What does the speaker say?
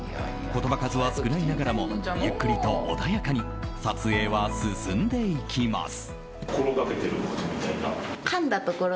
言葉数は少ないながらもゆっくりと穏やかに撮影は進んでいきます。